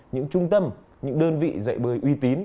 những trung tâm những đơn vị dạy bơi uy tín